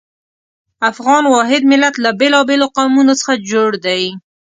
افغان واحد ملت له بېلابېلو قومونو څخه جوړ دی.